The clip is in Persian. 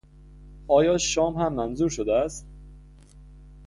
آیا شام هم منظور شده است؟